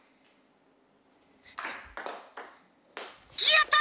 やった！